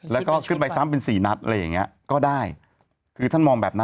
แล้วก็ขึ้นไป๓๔นัดอะไรอย่างนี้ก็ได้คือท่านมองแบบนั้น